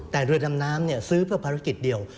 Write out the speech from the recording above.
แต่เรือดำน้ำซื้อเพื่อภารกิจเดียว